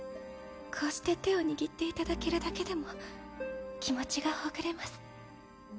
こうして手を握っていただけるだけでも気持ちがほぐれます